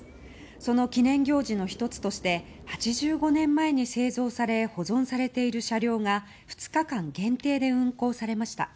その記念行事の１つとして８５年前に製造され保存されている車両が２日間限定で運行されました。